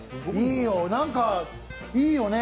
なんかいいよね。